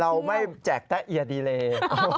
เราไม่แจกแต๊เอียดีเลย